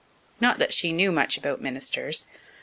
Not that she knew much about ministers.